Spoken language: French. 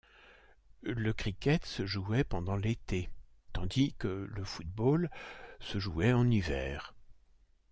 Le cricket se jouait pendant l'été, tandis que le football se jouait en hiver.